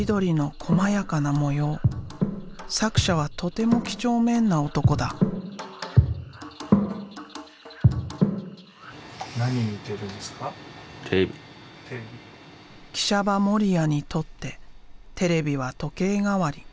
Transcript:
喜舎場盛也にとってテレビは時計代わり。